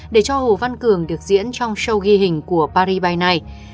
để cho hồ văn cường được diễn trong show ghi hình của paris by night